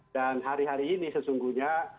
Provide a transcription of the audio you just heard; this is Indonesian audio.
dan hari hari ini sesungguhnya